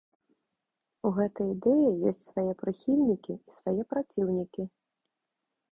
У гэтай ідэі ёсць свае прыхільнікі і свае праціўнікі.